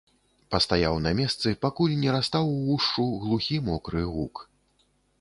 Пастаяў на месцы, пакуль не растаў увушшу глухі мокры гук.